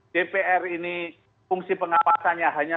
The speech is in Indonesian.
dpr ini fungsi pengawasannya hanya